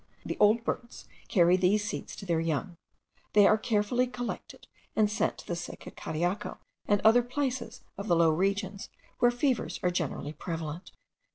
The old birds carry these seeds to their young. They are carefully collected, and sent to the sick at Cariaco, and other places of the low regions, where fevers are generally prevalent.